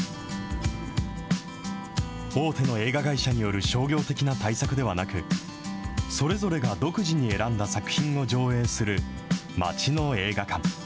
大手の映画会社による商業的な大作ではなく、それぞれが独自に選んだ作品を上映する町の映画館。